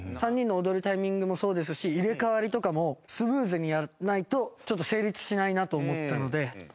３人の踊るタイミングもそうですし入れ替わりとかもスムーズにやらないとちょっと成立しないなと思ったので。